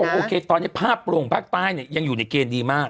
โอเคตอนนี้ภาพรวมภาคใต้เนี่ยยังอยู่ในเกณฑ์ดีมาก